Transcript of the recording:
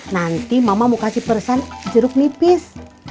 nanti mama mau kasih persan jeruk nipis